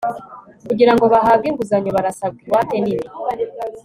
kugira ngo bahabwe inguzanyo barasabwa ingwate nini